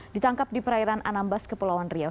ditangkap di perairan anambas kepulauan riau